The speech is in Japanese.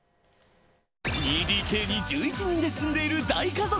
２ＤＫに１１人で住んでいる大家族。